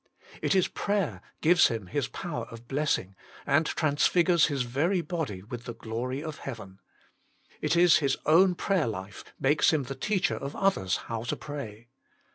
It is prayer gives Him His power of blessing, and transfigures His very body with the glory of heaven. It is His own prayer life makes Him the teacher of others how to pray.